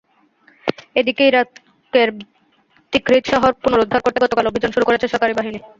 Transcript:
এদিকে ইরাকের তিকরিত শহর পুনরুদ্ধার করতে গতকাল অভিযান শুরু করেছে সরকারি বাহিনী।